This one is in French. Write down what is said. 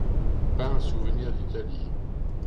Pas un souvenir d'Italie.